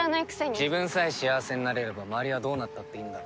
自分さえ幸せになれれば周りはどうなったっていいんだろ？